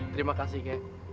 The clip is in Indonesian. terima kasih kakek